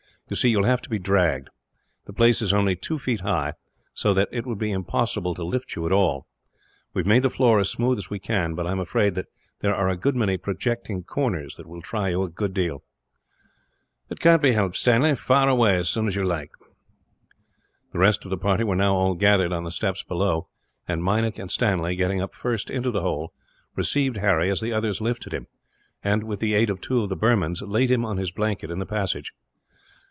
You see, you will have to be dragged. The place is only two feet high, so that it would be impossible to lift you at all. We have made the floor as smooth as we can, but I am afraid that there are a good many projecting corners, that will try you a good deal." "It cannot be helped, Stanley. Fire away, as soon as you like." The rest of the party were now all gathered, on the steps below; and Meinik and Stanley, getting up first into the hole, received Harry as the others lifted him and, with the aid of two of the Burmans, laid him on his blanket in the passage.